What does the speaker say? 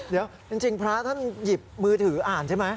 เดี๋ยวจริงพระท่านหยิบมือถืออ่านใช่ไหม